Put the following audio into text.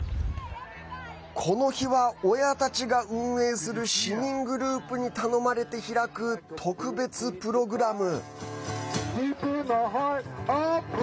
この日は、親たちが運営する市民グループに頼まれて開く特別プログラム。